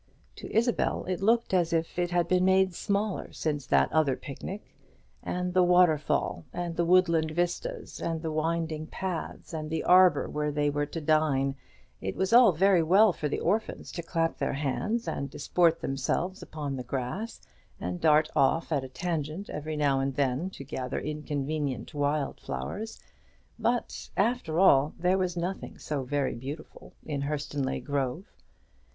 To Isabel it looked as if it had been made smaller since that other picnic; and the waterfall, and the woodland vistas, and the winding paths, and the arbour where they were to dine, it was all very well for the orphans to clap their hands, and disport themselves upon the grass, and dart off at a tangent every now and then to gather inconvenient wild flowers; but, after all, there was nothing so very beautiful in Hurstonleigh Grove.